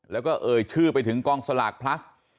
แล้วก็เอ่ยชื่อไปถึงกองสลากพลัส